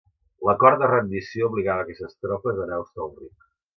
L'acord de rendició obligava a aquestes tropes a anar a Hostalric.